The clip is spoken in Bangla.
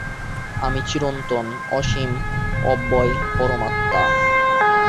আমি চিরন্তন, অসীম, অব্যয় পরমাত্মা।